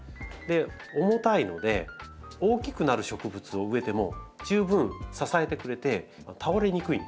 重たいので大きくなる植物を植えても十分支えてくれて倒れにくいんですよ。